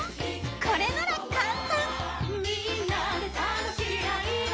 これなら簡単！